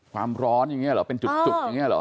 ความร้อนอย่างนี้เหรอเป็นจุกอย่างนี้เหรอ